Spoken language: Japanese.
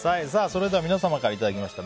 それでは皆様からいただきました